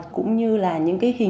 cũng như là những người lạ vào